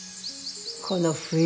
この冬。